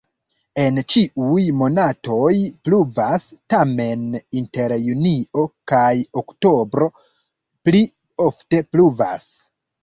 En ĉiuj monatoj pluvas, tamen inter junio kaj oktobro pli ofte pluvas.